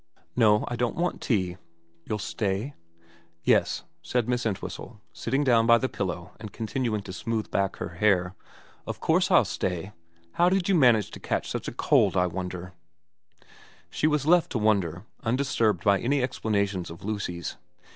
4 No, I don't want tea.' You'll stay ?' 4 Yes,' said Miss Entwhistle, sitting down by the pillow and continuing to smooth back her hair. ' Of course I'll stay. How did you manage to catch such a cold, I wonder I ' VERA 293 She was left to wonder, undisturbed by any explana tions of Lucy's.